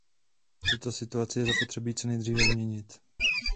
Tuto situaci je zapotřebí co nejdříve změnit.